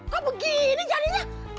kok begini jadinya